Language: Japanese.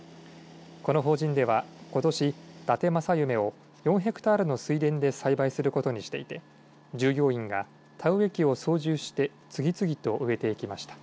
この法人ではことし、だて正夢を４ヘクタールの水田で栽培することにしていて従業員が田植え機を操縦して次々と植えていきました。